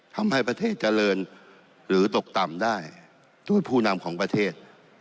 ทำให้ประเทศเจริญหรือตกต่ำได้ด้วยผู้นำของประเทศ